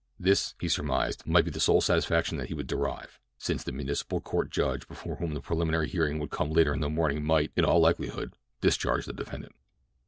This, he surmised, might be the sole satisfaction that he would derive, since the municipal court judge before whom the preliminary hearing would come later in the morning might, in all likelihood, discharge the defendant.